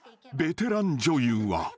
ベテラン女優は］